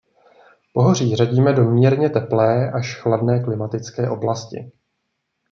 Pohoří řadíme do mírně teplé až chladné klimatické oblasti.